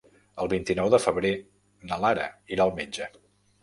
El vint-i-nou de febrer na Lara irà al metge.